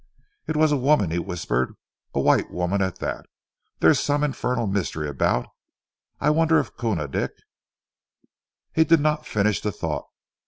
"It was a woman," he whispered, "a white woman, at that. There's some infernal mystery about. I wonder if Koona Dick " He did not finish the thought.